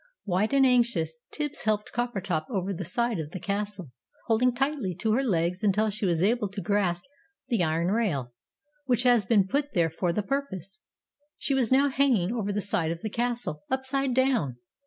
White and anxious, Tibbs helped Coppertop over the side of the Castle, holding tightly to her legs until she was able to grasp the iron rail, which has been put there for the purpose. She was now hanging over the side of the Castle, upside down!